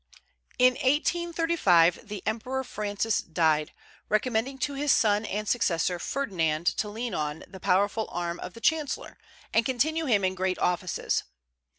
In 1835 the Emperor Francis died, recommending to his son and successor Ferdinand to lean on the powerful arm of the chancellor, and continue him in great offices.